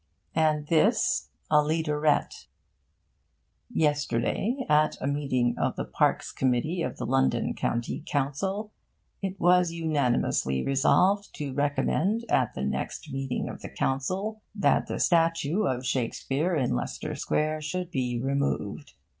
And this, a leaderette: Yesterday at a meeting of the Parks Committee of the London County Council it was unanimously resolved to recommend at the next meeting of the Council that the statue of Shakespeare in Leicester Square should be removed.